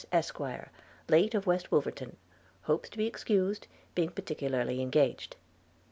Esq; late of West Wolverton – hopes to be excused, being particularly engaged.'